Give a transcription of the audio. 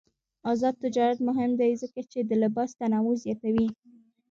آزاد تجارت مهم دی ځکه چې د لباس تنوع زیاتوي.